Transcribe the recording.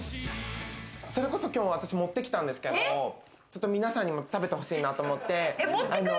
それこそきょう私持ってきたんですけれど、皆さんにも食べてほしいなと思って。